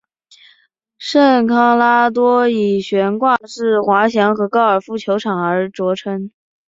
圣康拉多以悬挂式滑翔和高尔夫球场而着称。